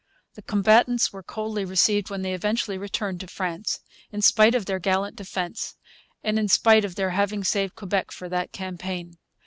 The combatants were coldly received when they eventually returned to France, in spite of their gallant defence, and in spite of their having saved Quebec for that campaign.